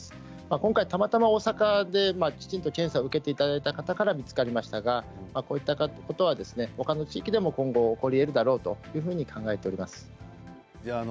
今回たまたま大阪できちんと検査を受けていただいた方から見つかりましたがこういったことはほかの地域でも今後起こりうるだろうと考えております。